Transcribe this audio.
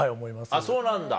あっそうなんだ。